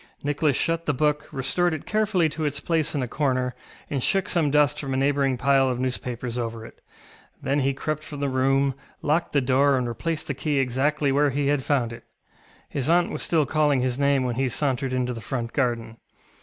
Nicholas shut the book, restored it carefully to its place in a corner, and shook some dust from a neighbouring pile of newspapers over it. Then he crept from the room, locked the door, and replaced the key exactly where he had found it. His aunt was still calling his name when he sauntered into the front garden.